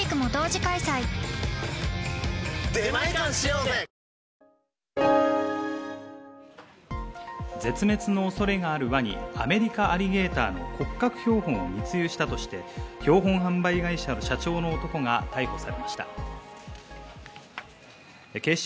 日経平均株価絶滅の恐れがあるワニ、アメリカアリゲーターの骨格標本を密輸したとして、標本販売会社の社長の男が逮捕されました。